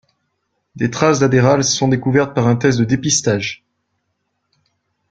Des traces d'Adderall sont découvertes par un test de dépistage.